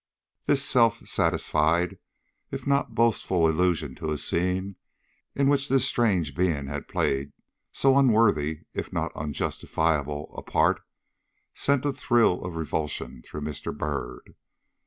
This self satisfied, if not boastful, allusion to a scene in which this strange being had played so unworthy, if not unjustifiable, a part, sent a thrill of revulsion through Mr. Byrd.